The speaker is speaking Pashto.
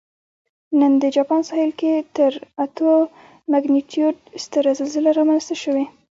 نن د جاپان ساحل کې تر اتو مګنیټیوډ ستره زلزله رامنځته شوې